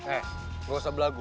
eh gue usah berlagu